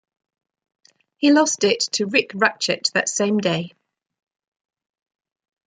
He lost it to Rik Ratchett that same day.